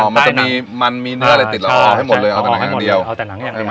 อ๋อมันจะมีมันมีเนื้ออะไรติดหรออ๋อให้หมดเลยเอาแต่หนังอย่างเดียวเอาแต่หนังอย่างเดียว